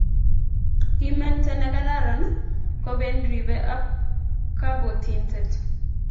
Kimentee ne kararan kobeen ribee ab kabotintet.